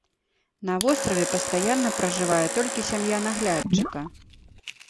На востраве пастаянна пражывае толькі сям'я наглядчыка.